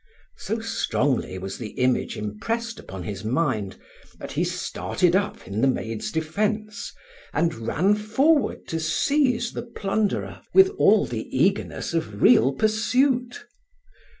So strongly was the image impressed upon his mind that he started up in the maid's defence, and ran forward to seize the plunderer with all the eagerness of real pursuit.